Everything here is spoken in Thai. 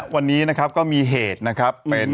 วันนี้ก็มีเหตุนะครับ